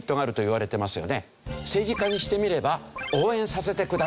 政治家にしてみれば「応援させてください！」